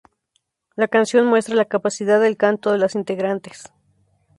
La canción muestra la capacidad del canto de las integrantes.